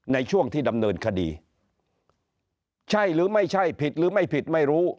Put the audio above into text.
ในช่วงที่ดำเนินคดีใช่หรือไม่ใช่ผิดหรือไม่ผิดไม่รู้